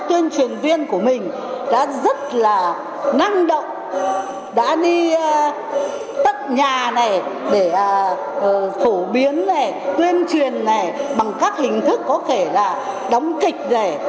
tuyên truyền viên của mình đã rất là năng động đã đi các nhà này để phổ biến này tuyên truyền này bằng các hình thức có thể là đóng kịch này